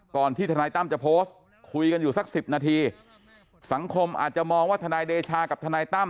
ที่ทนายตั้มจะโพสต์คุยกันอยู่สักสิบนาทีสังคมอาจจะมองว่าทนายเดชากับทนายตั้ม